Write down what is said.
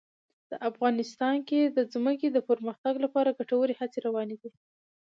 افغانستان کې د ځمکه د پرمختګ لپاره ګټورې هڅې روانې دي.